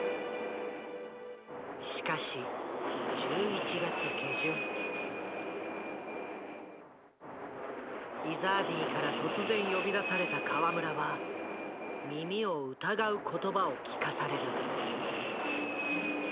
しかしイザーディから突然呼び出された河村は耳を疑う言葉を聞かされる。